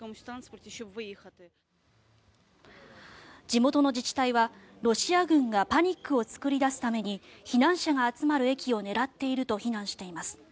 地元の自治体は、ロシア軍がパニックを作り出すために避難者が集まる駅を狙っていると非難しています。